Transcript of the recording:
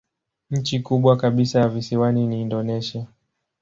Nchi kubwa kabisa ya visiwani ni Indonesia.